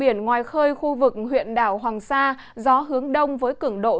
biển ngoài khơi khu vực huyện đảo hoàng sa gió hướng đông với cứng độ